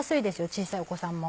小さいお子さんも。